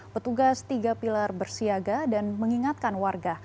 petugas tiga pilar bersiaga dan mengingatkan warga